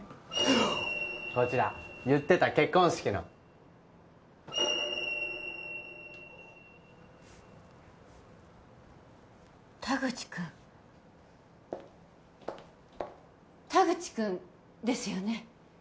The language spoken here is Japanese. こちら言ってた結婚式の田口くん田口くんですよね？